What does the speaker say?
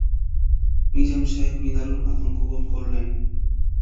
নিজাম সাহেব নিদারুণ আতঙ্ক বোধ করলেন।